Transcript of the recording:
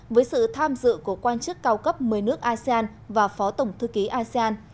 với sự tham dự của quan chức cao cấp một mươi nước asean và phó tổng thư ký asean